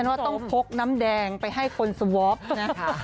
ว่าต้องพกน้ำแดงไปให้คนสวอปนะคะ